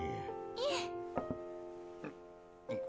いえ。